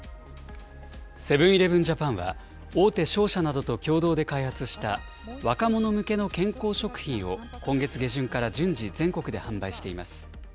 セブン−イレブン・ジャパンは、大手商社などと共同で開発した、若者向けの健康食品を今月下旬から順次、全国で販売しています。